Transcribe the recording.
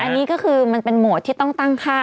อันนี้ก็คือมันเป็นโหมดที่ต้องตั้งค่า